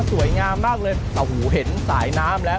สวยงามมากเลยโอ้โหเห็นสายน้ำแล้ว